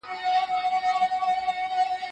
زه هیڅکله خپل وخت په بي ځایه کارونو نه تېروم.